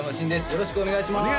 よろしくお願いします